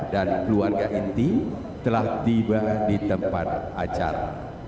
ya besok lo diayak gue